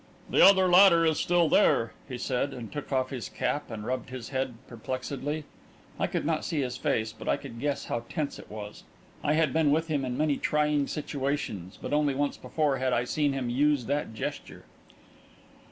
"The other ladder is still there," he said, and took off his cap and rubbed his head perplexedly. I could not see his face, but I could guess how tense it was. I had been with him in many trying situations, but only once before had I seen him use that gesture!